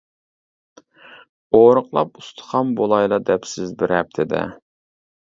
ئورۇقلاپ ئۇستىخان بولايلا دەپسىز بىر ھەپتىدە.